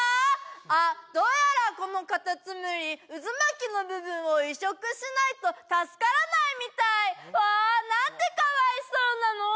あっどうやらこのカタツムリ渦巻きの部分を移植しないと助からないみたいわあなんてかわいそうなの？